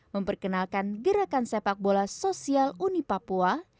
memperkenalkan gerakan sepak bola sosial uni papua